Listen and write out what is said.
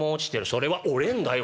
「それは俺んだよ！